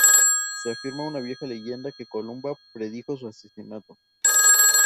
Se afirma en una vieja leyenda que Columba predijo su asesinato.